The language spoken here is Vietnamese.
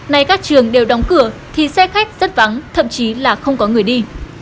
nay các trường đều đóng cửa thì xe khách rất vắng thậm chí là không có người đi